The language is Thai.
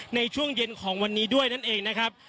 ในช่วงเย็นของวันนี้ด้วยนั่นเองนะครับ